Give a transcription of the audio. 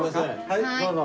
はいどうぞ。